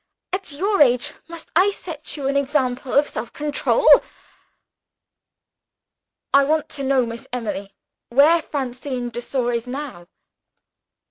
At your age, must I set you an example of self control? "I want to know, Miss Emily, where Francine de Sor is now?"